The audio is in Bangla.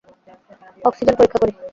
অক্সিজেন পরীক্ষা করি।